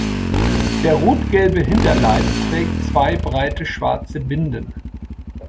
Der rotgelbe Hinterleib trägt zwei breite schwarze Binden.